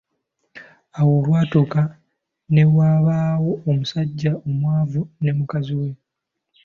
Awo olwatuuka, ne wabaawo omusajja omwavu ne mukazi we.